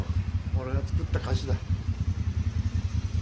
俺が作った菓子だ。